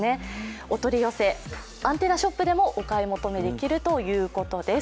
お取り寄せ、アンテナショップでもお買い物ができるということです。